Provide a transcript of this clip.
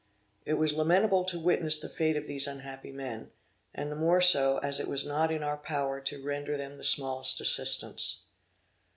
It was lamentable to witness the fate of these unhappy men, and the more so, as it was not in our power to render them the smallest assistance.